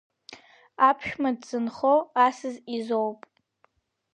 Аԥшәма дзынхо асас изоуп.